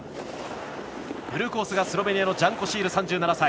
ブルーコース、スロベニアのジャン・コシール。